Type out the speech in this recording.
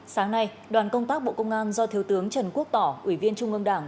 sáng nay đoàn công tác bộ công an do thiếu tướng trần quốc tỏ ủy viên trung ương đảng